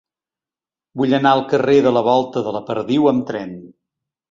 Vull anar al carrer de la Volta de la Perdiu amb tren.